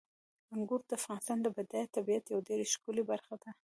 انګور د افغانستان د بډایه طبیعت یوه ډېره ښکلې برخه ده.